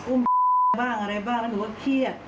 อุ้มบ้างอะไรบ้างแล้วหนูก็เครียด